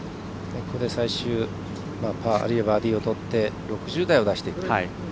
最終パーあるいはバーディーをとって６０台を出していく。